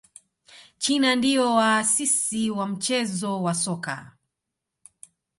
china ndio waasisi wa mchezo wa soka